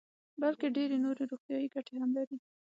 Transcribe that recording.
بلکې ډېرې نورې روغتیايي ګټې هم لري.